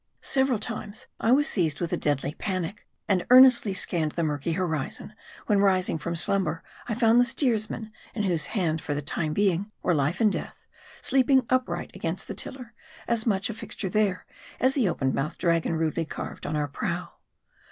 Several times I was seized with a deadly panic, and earnestly scanned the murky horizon, when rising from slumber I found the steersman, in whose hands for the time being were life and death, sleeping upright against the tiller, as much of a fixture there, as the open mouthed dragon rudely carved on our prow.